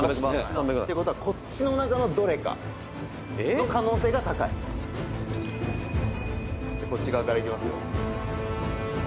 「っていう事はこっちの中のどれかの可能性が高い」「じゃあこっち側からいきますよ」